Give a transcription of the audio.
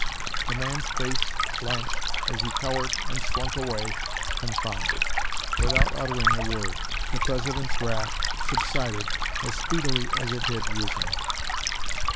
The man's face blanched as he cowered and slunk away confounded, without uttering a word. The President's wrath subsided as speedily as it had risen."